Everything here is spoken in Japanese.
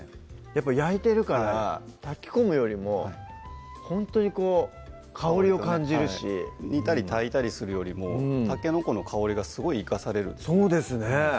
やっぱ焼いてるから炊き込むよりもほんとにこう香りを感じるし煮たり炊いたりするよりもたけのこの香りがすごい生かされるんですそうですね